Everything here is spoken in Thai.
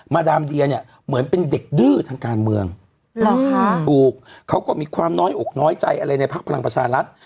ดามเดียเนี่ยเหมือนเป็นเด็กดื้อทางการเมืองถูกเขาก็มีความน้อยอกน้อยใจอะไรในพักพลังประชารัฐ